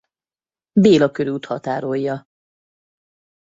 Béla körút határolja.